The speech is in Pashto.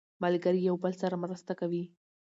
ملګري یو بل سره مرسته کوي